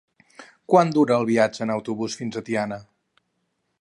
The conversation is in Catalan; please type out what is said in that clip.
Quant dura el viatge en autobús fins a Tiana?